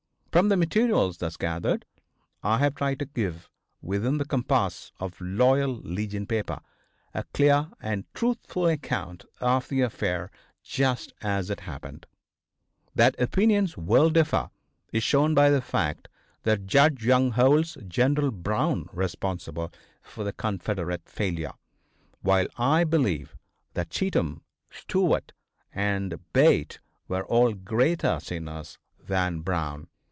From the materials thus gathered I have tried to give, within the compass of a Loyal Legion paper, a clear and truthful account of the affair just as it happened. That opinions will differ, is shown by the fact that Judge Young holds General Brown responsible for the Confederate failure, while I believe that Cheatham, Stewart and Bate were all greater sinners than Brown.